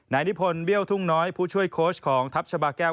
นิพนธ์เบี้ยวทุ่งน้อยผู้ช่วยโค้ชของทัพชาบาแก้ว